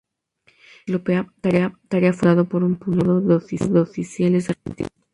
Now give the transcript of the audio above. En esta ciclópea tarea fue secundado por un puñado de oficiales argentinos.